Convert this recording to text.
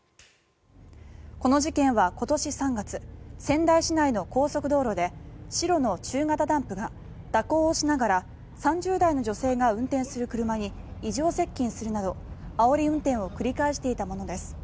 この事件は今年３月仙台市内の高速道路で白の中型ダンプが蛇行をしながら３０代の女性が運転する車に異常接近するなどあおり運転を繰り返していたものです。